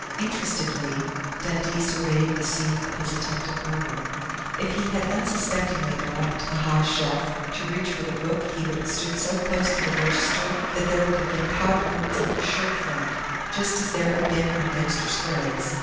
Interestedly, Dundee surveyed the scene of his attempted murder. If he had unsuspectingly gone up to the high shelf to reach for the book he would have stood so close to the register that there would have been powder burns on his shirt front just as there had been on Dexter Sprague's.